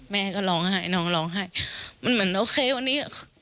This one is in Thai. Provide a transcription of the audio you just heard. แม่ก็ร้องไห้น้องร้องไห้มันเหมือนโอเควันนี้